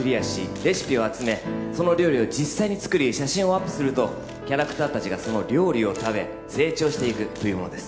レシピを集めその料理を実際に作り写真をアップするとキャラクター達がその料理を食べ成長していくというものです